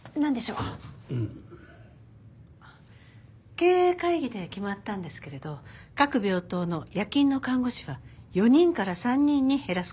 うん。経営会議で決まったんですけれど各病棟の夜勤の看護師は４人から３人に減らす事になりました。